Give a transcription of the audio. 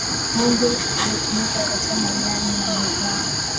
mundu ulitumika kukatia majani na mazao